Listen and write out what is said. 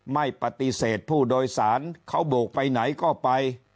ไม่ปฏิเสธผู้โดยสารเขาโบกไปไหนก็ไป